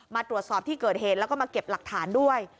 มาตรวจสอบที่เกิดเหตุแล้วก็มาเก็บหลักฐานด้วย